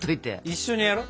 一緒にやろ。